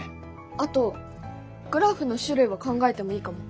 あとグラフの種類を考えてもいいかも。